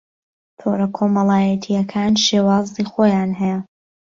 تۆڕەکۆمەڵایەتییەکان شێوازی خۆیان هەیە